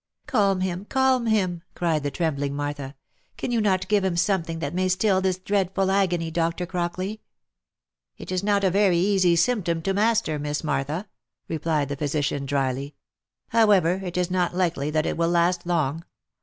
" Calm him ! calm him !" cried the trembling Martha. " Can you not give him something that may still this dreadful agony, Doctor Crockley?" " It is not a very easy symptom to master, Miss Martha," replied the physician drily. " However, it is not likely that it will last long.